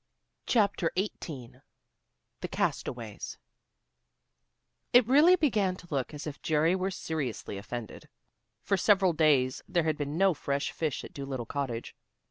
CHAPTER XVIII THE CASTAWAYS It really began to look as if Jerry were seriously offended. For several days there had been no fresh fish at Dolittle Cottage.